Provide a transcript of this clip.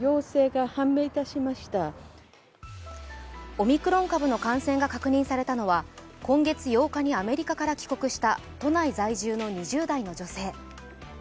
オミクロン株の感染が確認されたのは今月８日にアメリカから帰国した都内在住の２０代の女性。